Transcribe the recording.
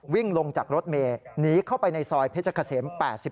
วิ่งลงจากรถเมย์หนีเข้าไปในซอยเพชรเกษม๘๑